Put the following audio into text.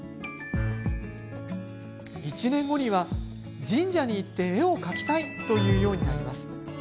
１年後には神社に行って絵を描きたいと言うようになります。